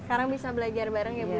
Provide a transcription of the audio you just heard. sekarang bisa belajar bareng ya ibu ya